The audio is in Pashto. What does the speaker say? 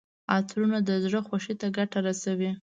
عطرونه د زړه خوښۍ ته ګټه رسوي.